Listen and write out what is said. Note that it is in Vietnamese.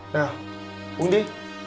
nào uống đi